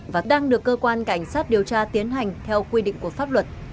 và đang được cơ quan cảnh sát điều tra tiến hành theo quy định của pháp luật